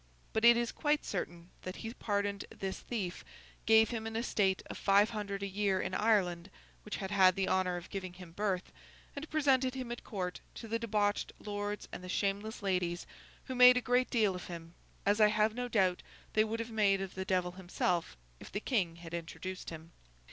But it is quite certain that he pardoned this thief, gave him an estate of five hundred a year in Ireland (which had had the honour of giving him birth), and presented him at Court to the debauched lords and the shameless ladies, who made a great deal of him—as I have no doubt they would have made of the Devil himself, if the King had introduced him.